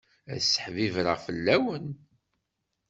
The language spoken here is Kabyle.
Ad seḥbibreɣ fell-awen.